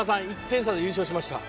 １点差で優勝しました